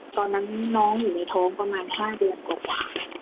ตอนนั้นน้องอยู่ในท้องประมาณ๕เดือนกว่า